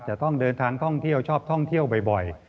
จะต้องเดินทางท่องเที่ยวชอบท่องเที่ยวบ่อย